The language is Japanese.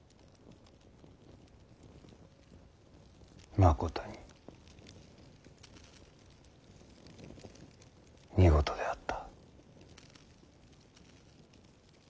まことに見事であった。